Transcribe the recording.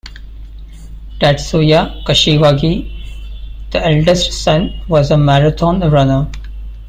Tatsuya Kashiwagi, the eldest son, was a Marathon runner.